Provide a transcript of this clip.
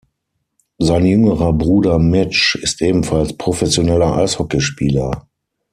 Sein jüngerer Bruder Mitch ist ebenfalls professioneller Eishockeyspieler.